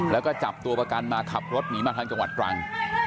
แล้วก็จับตัวประกันมาขับรถหนีมาทางจังหวัดตรัง